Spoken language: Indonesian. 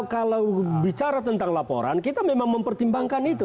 kalau bicara tentang laporan kita memang mempertimbangkan itu